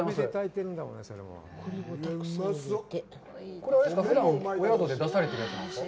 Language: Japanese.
これはお宿で出されているやつなんですか。